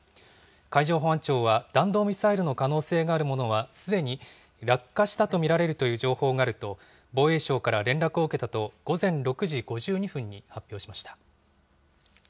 海上保安庁は、弾道ミサイルの可能性があるものは、すでに落下したと見られるという情報あると、防衛省から連絡を受けたと午前６時５２分に発表しました。